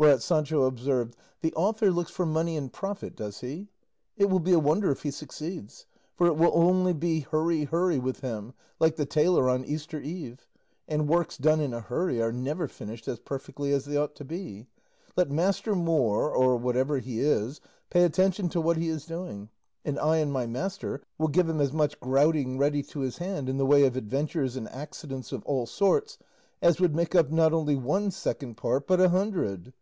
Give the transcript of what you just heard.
Whereat Sancho observed, "The author looks for money and profit, does he? It will be a wonder if he succeeds, for it will be only hurry, hurry, with him, like the tailor on Easter Eve; and works done in a hurry are never finished as perfectly as they ought to be. Let master Moor, or whatever he is, pay attention to what he is doing, and I and my master will give him as much grouting ready to his hand, in the way of adventures and accidents of all sorts, as would make up not only one second part, but a hundred.